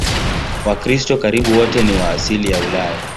Wakristo karibu wote ni wa asili ya Ulaya.